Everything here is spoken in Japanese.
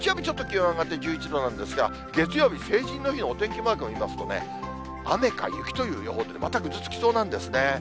ちょっと気温上がって１１度なんですが、月曜日、成人の日のお天気マークを見ますとね、雨か雪という予報でまたぐずつきそうなんですね。